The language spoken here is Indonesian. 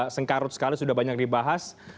sengkarut sekali sudah banyak dibahas